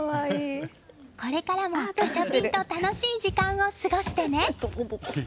これからもガチャピンと楽しい時間を過ごしてね。